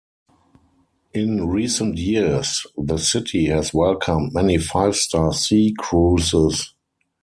In recent years, the city has welcomed many five-star sea cruises.